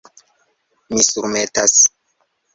Mi surmetas?